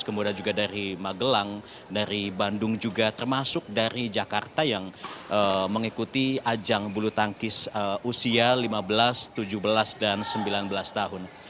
kemudian juga dari magelang dari bandung juga termasuk dari jakarta yang mengikuti ajang bulu tangkis usia lima belas tujuh belas dan sembilan belas tahun